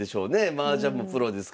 マージャンもプロですから。